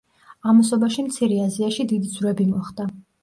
ამასობაში მცირე აზიაში დიდი ძვრები მოხდა.